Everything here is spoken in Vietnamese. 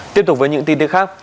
tiếp tục với những tin tức khác